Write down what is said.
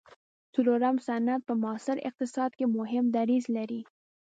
څلورم صنعت په معاصر اقتصاد کې مهم دریځ لري.